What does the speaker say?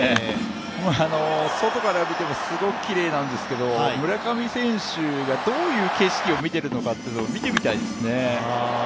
外から見ても、すごくきれいなんですけど、村上選手がどういう景色を見ているのか、見てみたいですね。